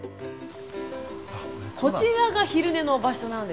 こちらが昼寝の場所なんですね。